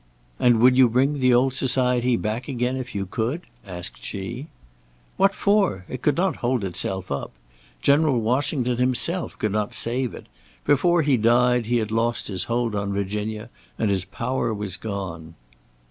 "And would you bring the old society back again if you could?" asked she. "What for? It could not hold itself up. General Washington himself could not save it. Before he died he had lost his hold on Virginia, and his power was gone."